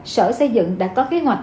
sở xây dựng đã có kế hoạch